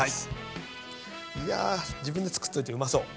いや自分で作っといてうまそう！